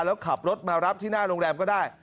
แล้วขับรถมารับที่หน้าโรงแรมก็ได้